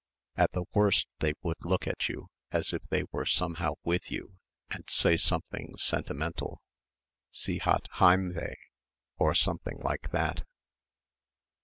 At the worst they would look at you as if they were somehow with you and say something sentimental. "Sie hat Heimweh" or something like that.